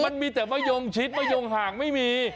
มันมีแต่มะยงชิดมะยงห่างไม่มี